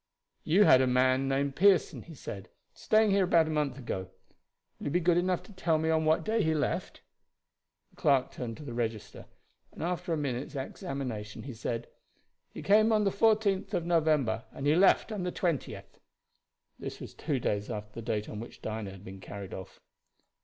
"You had a man named Pearson," he said, "staying here about a month ago. Will you be good enough to tell me on what day he left?" The clerk turned to the register, and said after a minute's examination: "He came on the 14th of November, and he left on the 20th." This was two days after the date on which Dinah had been carried off.